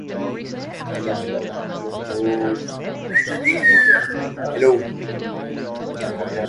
Credit to her much touted professionalism, dedication, discipline and perseverance that she bounced back.